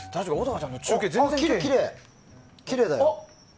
あ、きれいだよ。